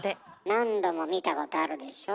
何度も見たことあるでしょう？